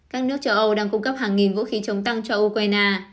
các nước châu âu đang cung cấp hàng nghìn vũ khí chống tăng cho ukraine